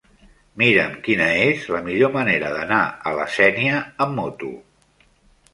Mira'm quina és la millor manera d'anar a la Sénia amb moto.